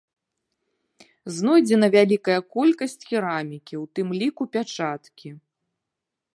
Знойдзена вялікая колькасць керамікі, у тым ліку пячаткі.